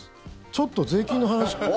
ちょっと税金の話。